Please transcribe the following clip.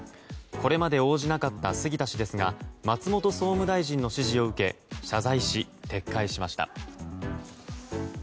これまで応じなかった杉田氏ですが松本総務大臣の指示を受け謝罪し、撤回しました。